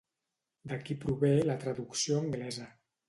D'aquí prové la traducció anglesa.